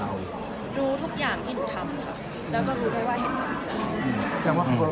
แบบมันไม่ใช่เรื่องของของเลยนะ